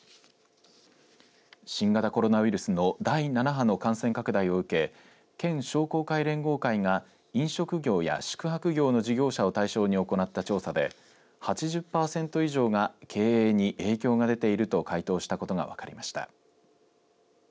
新型コロナウイルスの第７波の感染拡大を受け県商工会連合会が飲食業や宿泊業の事業者を対象に行った調査で８０パーセント以上が経営に影響が出ていると回答したことが分かりました。